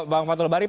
bang fathul bari